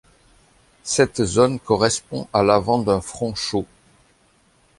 Cette zone correspond à l'avant d'un front chaud.